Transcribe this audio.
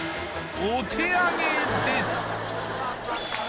お手あげです